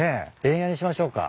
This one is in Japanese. エンヤにしましょうか。